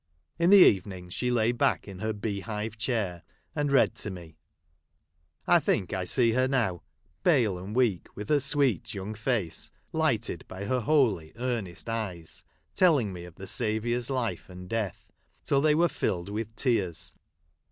In the even ings she lay back in her bee hive chair, and read to me. I think I see her noAV, pale and weak, with her sweet young face, lighted by her holy, earnest eyes, telling me of the Saviour's life and death, till they Avere filled Avilh tears.